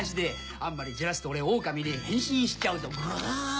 あんまりじらすと俺オオカミに変身しちゃうぞグワァ。